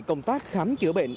công tác khám chữa bệnh